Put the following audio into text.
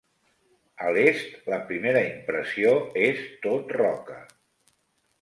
A l'est, la primera impressió és tot roca.